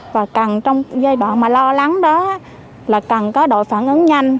và cần trong giai đoạn mà lo lắng đó là cần có đội phản ứng nhanh